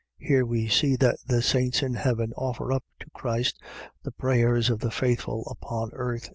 . .Here we see that the saints in heaven offer up to Christ the prayers of the faithful upon earth.